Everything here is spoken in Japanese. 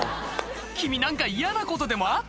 君何か嫌なことでもあったの？